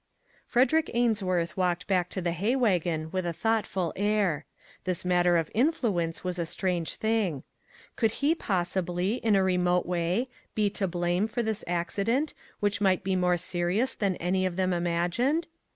Frederick Ainsworth walked back to the hay wagon with a thoughtful air. This matter of 245 MAG AND MARGARET influence was a strange thing. Could he pos sibly, in a remote way, be to blame for this ac cident, which might be more serious than any of them imagined?